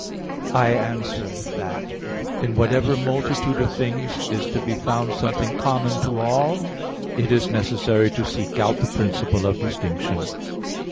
I answer that, In whatever multitude of things is to be found something common to all, it is necessary to seek out the principle of distinction.